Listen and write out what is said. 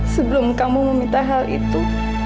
sebelum kamu meminta hal itu